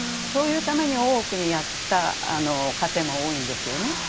そういうために大奥にやった家庭も多いんですよね。